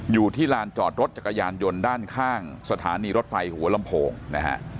อยู่ที่ลานจอดรถจักรยานยนต์ด้านข้างสถานีรถไฟหัวลำโพงนะฮะ